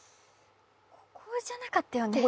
ここじゃなかったよね